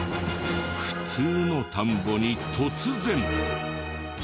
普通の田んぼに突然。